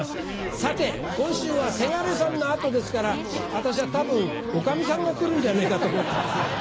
さて今週はせがれさんの後ですからあたしゃ多分おかみさんが来るんじゃねぇかと思ってます。